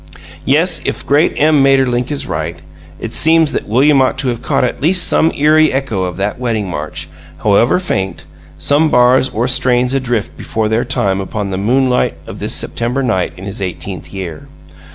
Yes, if great M. Maeterlinck is right, it seems that William ought to have caught at least some eerie echo of that wedding march, however faint some bars or strains adrift before their time upon the moonlight of this September night in his eighteenth year.